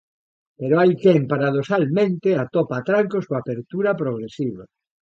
Pero hai quen, paradoxalmente, atopa atrancos coa apertura progresiva.